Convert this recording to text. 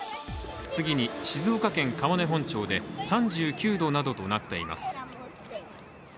次に静岡県川根本町で３９．２度となっています。